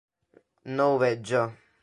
No ho veig jo.